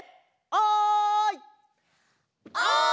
おい！